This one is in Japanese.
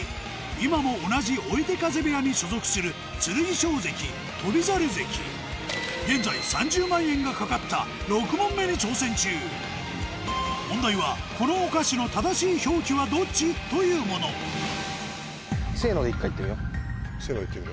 今も同じ追手風部屋に所属する剣翔関翔猿関現在３０万円が懸かった６問目に挑戦中問題はこのお菓子のというものせので言ってみる？